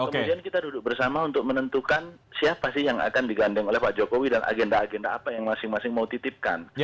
kemudian kita duduk bersama untuk menentukan siapa sih yang akan digandeng oleh pak jokowi dan agenda agenda apa yang masing masing mau titipkan